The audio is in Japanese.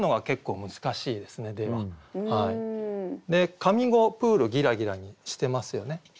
上五「プールぎらぎら」にしてますよね。